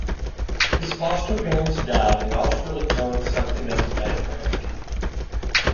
His foster parents died, and Austerlitz learned something of his background.